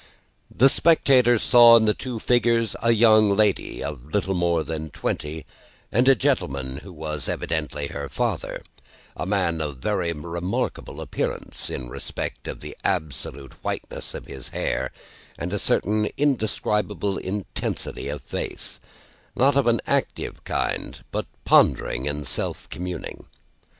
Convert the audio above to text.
The spectators saw in the two figures, a young lady of little more than twenty, and a gentleman who was evidently her father; a man of a very remarkable appearance in respect of the absolute whiteness of his hair, and a certain indescribable intensity of face: not of an active kind, but pondering and self communing.